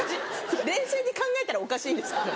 冷静に考えたらおかしいんですけど。